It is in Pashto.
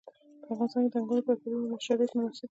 په افغانستان کې د انګور لپاره طبیعي شرایط مناسب دي.